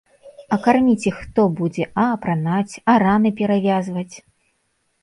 А карміць іх хто будзе, а апранаць, а раны перавязваць?